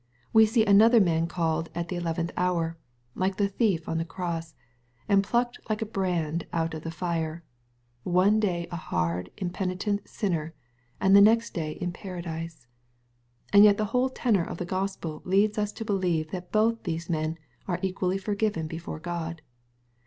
We see another man called " at the eleventh hour," like the thief on the cross, and plucked like a brand out of the fire — one day a hard impenitent sinner, and the next day in paradise. And yet the whole tenor of the Grospel leads us to believe that both these men are equally forgiven before God.